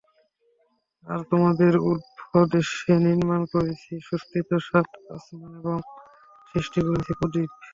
আর তোমাদের উর্ধদেশে নির্মাণ করেছি সুস্থিত সাত আসমান এবং সৃষ্টি করেছি প্রদীপ।